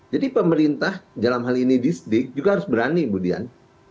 jadi pemerintah dalam hal ini disdik juga harus berani ibu dian